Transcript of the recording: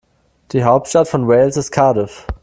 Die Hauptstadt von Wales ist Cardiff.